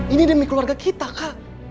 ini demi keluarga kita kak